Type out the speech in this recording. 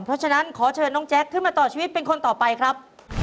เพราะฉะนั้นขอเชิญน้องแจ๊คขึ้นมาต่อชีวิตเป็นคนต่อไปครับ